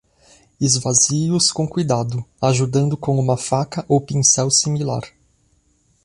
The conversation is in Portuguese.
Esvazie-os com cuidado, ajudando com uma faca ou pincel similar.